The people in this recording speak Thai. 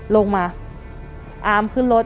ลงมาอามขึ้นรถ